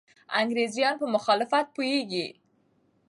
انګریزان په مخالفت پوهېږي.